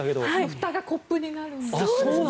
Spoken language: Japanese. ふたがコップになるんですよ。